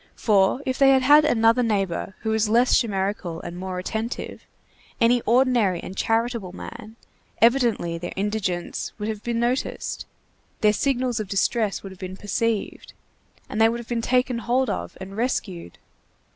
For if they had had another neighbor who was less chimerical and more attentive, any ordinary and charitable man, evidently their indigence would have been noticed, their signals of distress would have been perceived, and they would have been taken hold of and rescued!